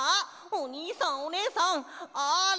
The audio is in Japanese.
おにいさんおねえさんあれ！